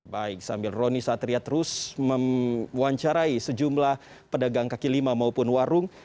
baik sambil roni satria terus mewawancarai sejumlah pedagang kaki lima maupun warung